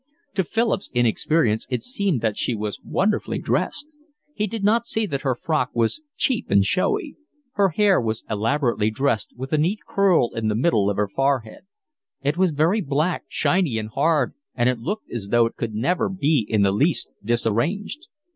To Philip's inexperience it seemed that she was wonderfully dressed; he did not see that her frock was cheap and showy. Her hair was elaborately dressed, with a neat curl in the middle of the forehead: it was very black, shiny and hard, and it looked as though it could never be in the least disarranged.